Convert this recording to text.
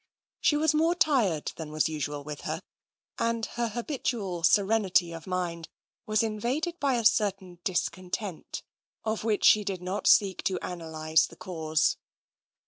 She was more tired than was usual with her, and her habitual serenity of mind was invaded by a certain dis content of which she did not seek to analyse the cause.